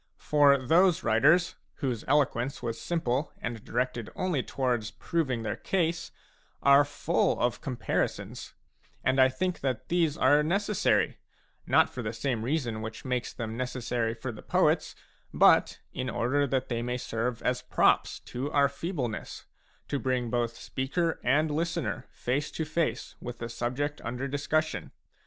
For those writers, whose eloquence was simple and directed only towards proving their case, are full of compari sons ; and I think that these are necessary, not for the same reason which makes them necessary for the poets, but in order that they may serve as props to our feebleness, to bring both speaker and listener face to face with the subject under discussion.